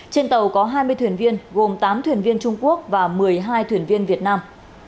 trên tàu có hai mươi thuyền viên gồm tám thuyền viên trung quốc và một mươi hai thuyền viên việt nam